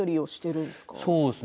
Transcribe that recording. そうですね。